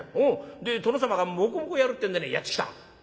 で殿様がもこもこやるってんでねやって来た」。